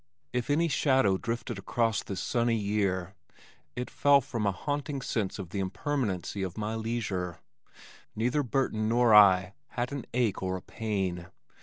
If any shadow drifted across this sunny year it fell from a haunting sense of the impermanency of my leisure. Neither Burton nor I had an ache or a pain.